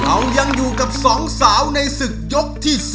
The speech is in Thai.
เรายังอยู่กับสองสาวในศึกยกที่๒